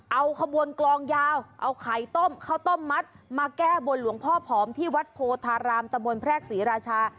เอาขบวนกลองยาวเอาไข่ต้มข้าวต้มมัดมาแก้บนหลวงพ่อผอมที่วัดโพธารามตะบนแพรกศรีราชา